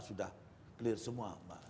sudah clear semua mbak